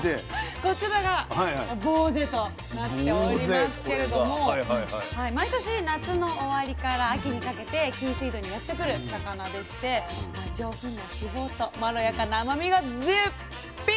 こちらがぼうぜとなっておりますけれども毎年夏の終わりから秋にかけて紀伊水道にやってくる魚でして上品な脂肪とまろやかな甘みが絶品！